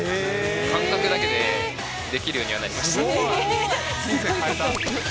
感覚だけでできるようにはなりました。